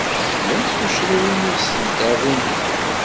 Llant tuccḍiwin deg tṣeddart-nnek.